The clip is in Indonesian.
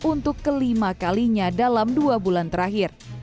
untuk kelima kalinya dalam dua bulan terakhir